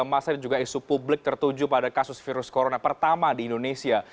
masa dan juga isu publik tertuju pada kasus virus corona pertama di indonesia